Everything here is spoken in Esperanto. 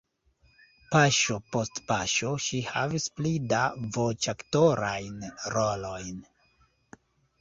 Paŝo post paŝo ŝi havis pli da voĉaktorajn rolojn.